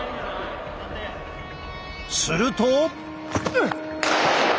すると！